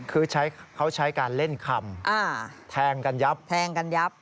คือเขาใช้การเล่นคำแทงกันยับ